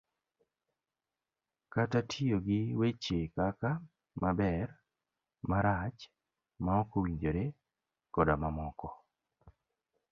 kata tiyo gi weche kaka" maber, marach, maok owinjore, " koda mamoko.